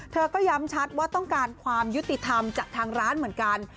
เธอก็ย้ำชัดว่าต้องการความยุติธรรมจากทางร้านเหมือนกัน